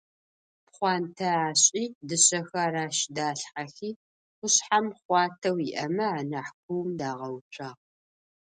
Пхъуантэ ашӏи, дышъэхэр ащ далъхьэхи, къушъхьэм хъуатэу иӏэмэ анахь куум дагъэуцуагъ.